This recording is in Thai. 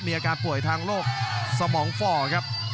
มีอาการป่วยทางโรคสมองฝ่อครับ